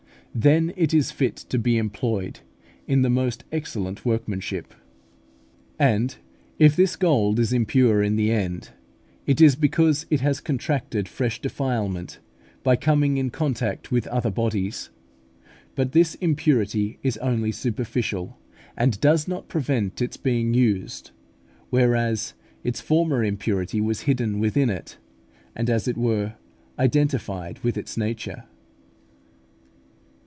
Then it is fit to be employed in the most excellent workmanship. And if this gold is impure in the end, it is because it has contracted fresh defilement by coming in contact with other bodies. But this impurity is only superficial, and does not prevent its being used; whereas its former impurity was hidden within it, and, as it were, identified with its nature.